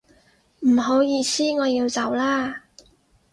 唔好意思，我要走啦